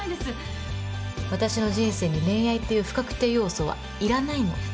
私の人生に恋愛という不確定要素はいらないの。